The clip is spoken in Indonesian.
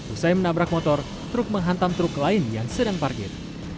usai menabrak motor truk menghantam truk lain yang sedang parkir